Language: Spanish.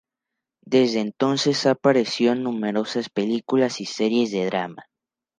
Desde entonces ha aparecido en numerosas películas y series de drama.